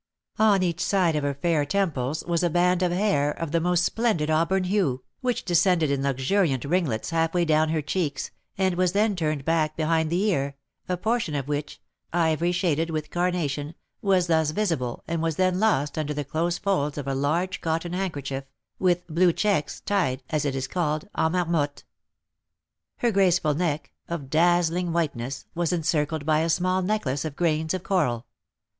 On each side of her fair temples was a band of hair, of the most splendid auburn hue, which descended in luxuriant ringlets half way down her cheeks, and was then turned back behind the ear, a portion of which ivory shaded with carnation was thus visible, and was then lost under the close folds of a large cotton handkerchief, with blue checks, tied, as it is called, en marmotte. Her graceful neck, of dazzling whiteness, was encircled by a small necklace of grains of coral.